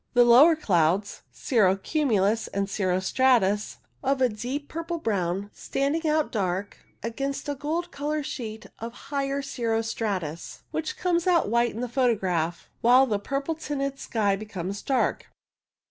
The lower clouds, cirro cumulus and cirro stratus, of a deep purple brown, standing out dark against a gold coloured sheet of higher cirro stratus, which comes out white in the photograph, while the purple tinted sky comes dark.